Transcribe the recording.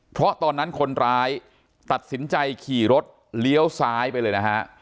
เพราะตอนนั้นคนร้ายตัดสินใจขี่รถเลี้ยวซ้ายไปเลยนะฮะ